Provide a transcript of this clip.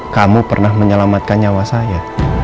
kamu pernah menyelamatkan nyawa saya